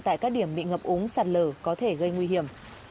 tại các điểm bị ngập úng sạt lở có thể gây nguy hiểm